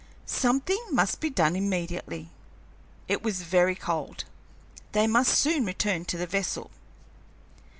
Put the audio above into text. Something must be done immediately. It was very cold; they must soon return to the vessel.